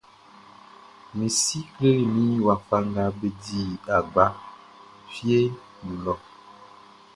Mi si kleli min wafa nga be di agba fieʼn nun lɔʼn.